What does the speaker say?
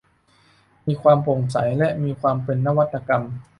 มีความโปร่งใส และมีความเป็นนวัตกรรม